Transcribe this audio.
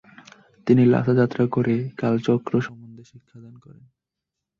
তিনি লাসা যাত্রা করে কালচক্র সম্বন্ধে শিক্ষাদান করেন।